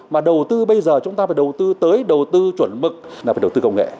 mà đầu tư bây giờ chúng ta phải đầu tư tới đầu tư chuẩn mực là phải đầu tư công nghệ